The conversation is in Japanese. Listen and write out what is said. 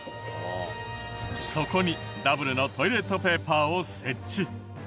そこにダブルのトイレットペーパーを設置。